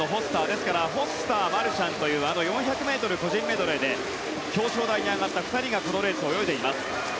ですからフォスター、マルシャンという４００ｍ個人メドレーで表彰台に上がった２人が泳いでいます。